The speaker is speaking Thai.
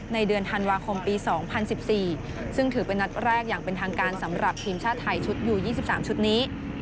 ในเดือนธันวาคมปี๒๐๑๔ซึ่งถือเป็นนัดแรกอย่างเป็นทางการสำหรับทีมชาติไทยชุดยู๒๓ชุดนี้